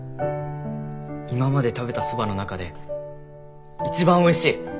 今まで食べたそばの中で一番おいしい！